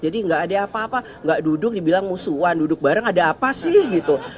jadi gak ada apa apa gak duduk dibilang musuhan duduk bareng ada apa sih gitu